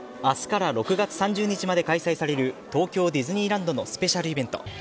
明日から６月３０日まで開催される東京ディズニーランドのスペシャルイベント